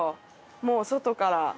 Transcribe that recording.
もう外から。